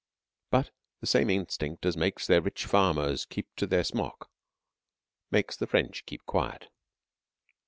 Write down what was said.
But the same instinct as makes their rich farmers keep to their smocks makes the French keep quiet.